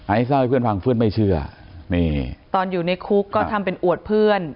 เล่าให้เพื่อนฟังเพื่อนไม่เชื่อนี่ตอนอยู่ในคุกก็ทำเป็นอวดเพื่อน